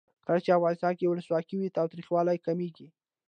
کله چې افغانستان کې ولسواکي وي تاوتریخوالی کمیږي.